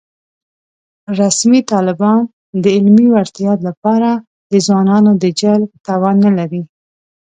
رسمي طالبان د علمي وړتیا له پاره د ځوانانو د جلب توان نه لري